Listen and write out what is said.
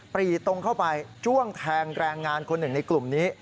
รีตรงเข้าไปจ้วงแทงแรงงานคนหนึ่งในกลุ่มนี้